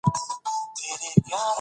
چې نجونې د مور او پلار زړه وساتي.